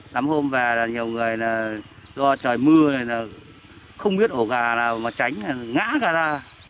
năm hôm về là nhiều người do trời mưa không biết ổ gà nào mà tránh ngã cả ra